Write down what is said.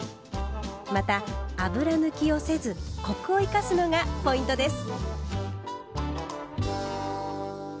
また油抜きをせずコクを生かすのがポイントです。